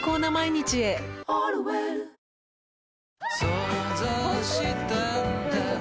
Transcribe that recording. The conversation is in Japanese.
想像したんだ